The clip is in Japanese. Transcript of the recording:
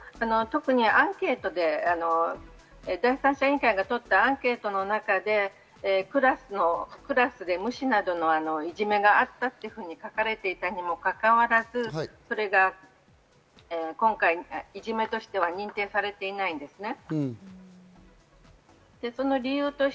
特に第三者委員会がとったアンケートの中でクラスで無視などのいじめがあったと書かれていたにもかかわらず、それが今回いじめと認定されていないんですね。